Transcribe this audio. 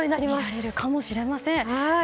見られるかもしれません。